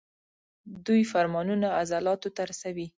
دوی فرمانونه عضلاتو ته رسوي.